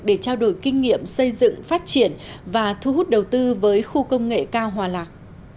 để trao đổi kinh nghiệm xây dựng phát triển và thu hút đầu tư với khu công nghệ cao hòa lạc